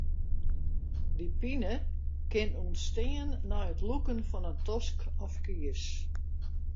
Dy pine kin ûntstean nei it lûken fan in tosk of kies.